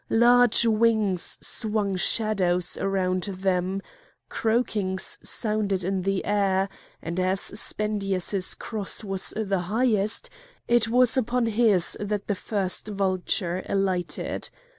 Large wings swung shadows around them, croakings sounded in the air; and as Spendius's cross was the highest, it was upon his that the first vulture alighted.